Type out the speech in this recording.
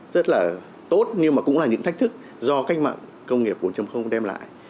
rất là tốt nhưng mà cũng là những thách thức do cách mạng công nghiệp bốn đem lại